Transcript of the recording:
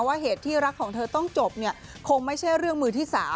เหตุที่รักของเธอต้องจบเนี่ยคงไม่ใช่เรื่องมือที่๓